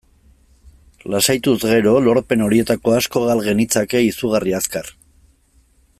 Lasaituz gero, lorpen horietako asko gal genitzake izugarri azkar.